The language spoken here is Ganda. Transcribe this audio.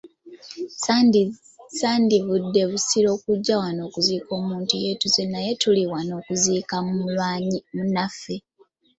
Sandivudde Busiro kujja wano kuziika muntu yeetuze naye tuli wano okuziika mulwanyi munnaffe.